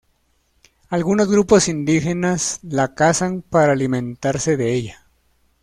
Algunos grupos indígenas la cazan para alimentarse de ella.